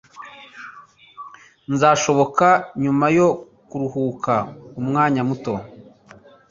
Nzasohoka nyuma yo kuruhuka umwanya muto.